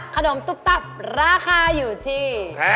ตุ๊บตับราคาอยู่ที่